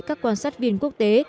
các quan sát viên quốc tế